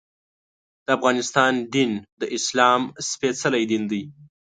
د افغانستان دین د اسلام سپېڅلی دین دی.